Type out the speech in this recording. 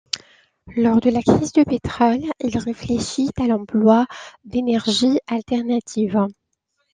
Lors de la crise du pétrole, il réfléchit à l'emploi d'énergies alternatives.